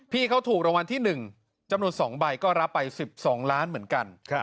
พี่เขาถูกรางวัลที่๑จำนวน๒ใบก็รับไป๑๒ล้านเหมือนกัน